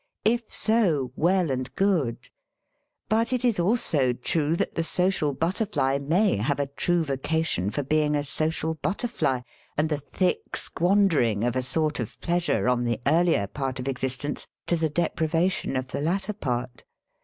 If so, well and good. But it is also RUNNING AWAY FROM LIFE 16 true that the social butterfly may have a true vocation for being a social butterfly, and the thick squandering of a sort of pleasure on the earlier part of existence, to the deprivation of the latter part.